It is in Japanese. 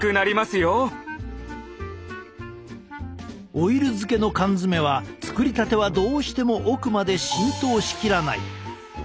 オイル漬けの缶詰は作りたてはどうしても奥まで浸透しきらない。